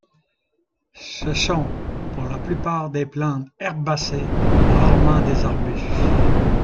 Ce sont pour la plupart des plantes herbacées, rarement des arbustes.